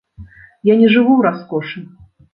Я не жыву ў раскошы.